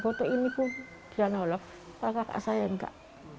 botol ini pun tidak nolak pak kakak saya enggak